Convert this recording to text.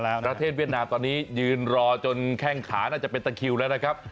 แล้วประเทศเวียดนามตอนนี้ยืนรอจนแข้งขาน่าจะเป็นตะคิวแล้วนะครับ